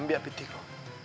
ambiak piti kau